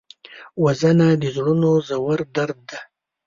وژنه د زړونو ژور درد دی